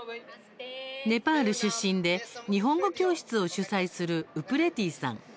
ネパール出身で、日本語教室を主宰するウプレティさん。